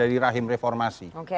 dari rahim reformasi